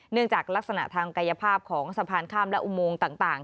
จากลักษณะทางกายภาพของสะพานข้ามและอุโมงต่าง